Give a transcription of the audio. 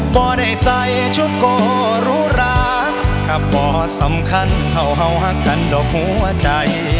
พ่อได้ใส่ชุดโกหรุราข้าพ่อสำคัญเท่าเห่าหักกันดอกหัวใจ